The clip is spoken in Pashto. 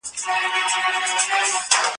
باران د هوا دوړې کښېنولې.